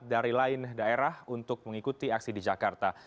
dari lain daerah untuk mengikuti aksi di jakarta